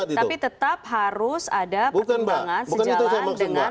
tapi tetap harus ada pertumbangan sejalan dengan putusan mk